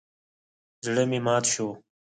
زړه مې مات شو.